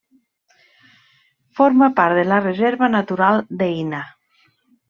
Forma part de la Reserva natural d'Eina.